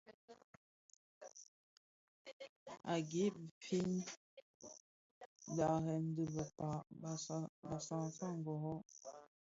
A gwei fyi dharen dhi bekpag Bassassa ngõrrõ .